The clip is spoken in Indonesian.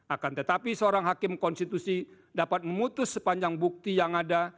akan tetapi seorang hakim konstitusi dapat memutus sepanjang bukti yang ada